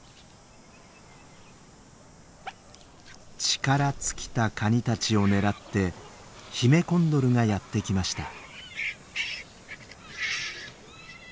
力尽きたカニたちを狙ってヒメコンドルがやって来ました。